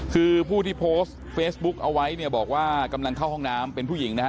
คือผู้ที่โพสต์เฟซบุ๊กเอาไว้เนี่ยบอกว่ากำลังเข้าห้องน้ำเป็นผู้หญิงนะฮะ